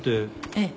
ええ。